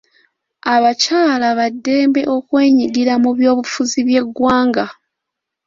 Abakyala ba ddembe okwenyigira mu byobufuzi by'eggwanga.